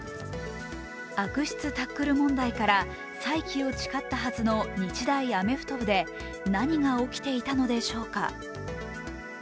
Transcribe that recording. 悪質タックル問題から再起を誓ったはずの日大アメフト部で何が起きていたのでしょうか。